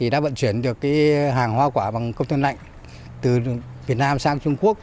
đã vận chuyển được hàng hoa quả bằng container lạnh từ việt nam sang trung quốc